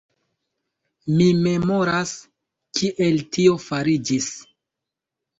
Mi memoras, kiel tio fariĝis.